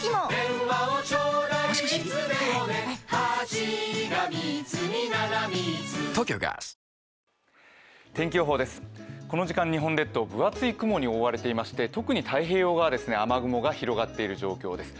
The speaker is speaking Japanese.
分厚い雲に覆われていまして特に太平洋側、雨雲が広がっている状況です。